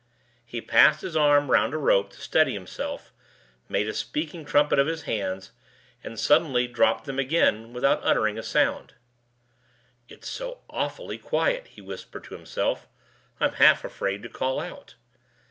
He passed his arm round a rope to steady himself, made a speaking trumpet of his hands, and suddenly dropped them again without uttering a sound. "It's so awfully quiet," he whispered to himself. "I'm half afraid to call out."